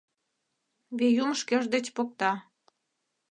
— Веюм шкеж деч покта.